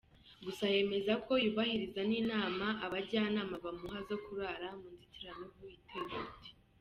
Gusa yemeza ko yubahiriza n’inama abajyanama bamuha zo kurara mu nzitiramubu iteye umuti.